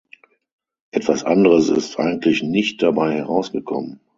Etwas anderes ist eigentlich nicht dabei herausgekommen.